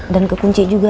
dan kekunci juga